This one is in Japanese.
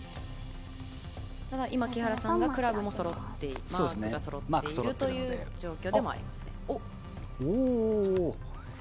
今、木原さんはクラブもそろってマークもそろっているという状況でもありますね。